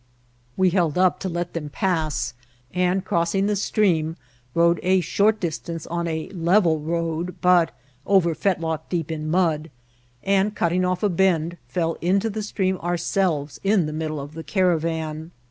We held up to let them pass; and, crossing the stream, rode a short distance on a level road, but over fetlock deep in mud ; and, cutting off a bend, fell into the stream ourselves in the middle of the caravan.